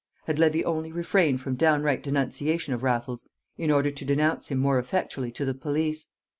Had Levy only refrained from downright denunciation of Raffles in order to denounce him more effectually to the police?